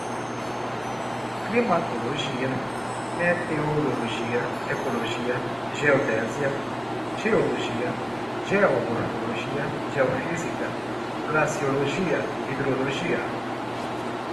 climatologia, meteorologia, ecologia, geodesia, geologia, geomorfologia, geofísica, glaciologia, hidrologia